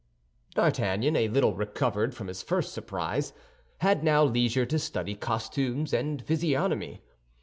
D'Artagnan, a little recovered from his first surprise, had now leisure to study costumes and physiognomy.